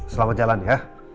selamat jalan ya